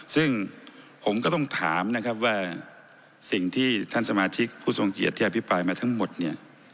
ซึ่งผมก็ต้องถามนะครับว่าสิ่งที่ท่านสมาชิกผู้ทรงเกียจที่อภิปรายมาทั้งหมดเนี่ย